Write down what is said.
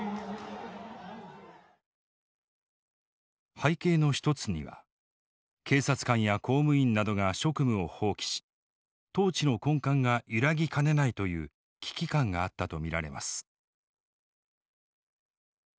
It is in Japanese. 背景の一つには警察官や公務員などが職務を放棄し統治の根幹が揺らぎかねないという危機感があったと見られます。